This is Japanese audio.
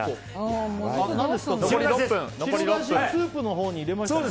白だしをスープのほうに入れましたね。